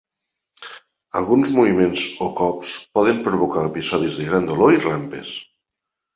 Alguns moviments o cops poden provocar episodis de gran dolor i rampes.